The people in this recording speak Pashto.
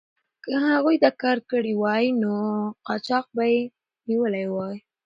که هغوی دا کار کړی وای، نو قاچاق به یې نیولی وای.